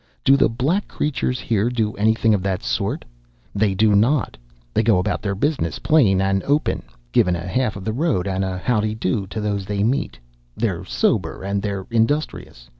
Do the black creatures here do anything of that sort? They do not! They go about their business plain and open, givin' a half of the road and a how'd'y do to those they meet. They're sober and they're industrious.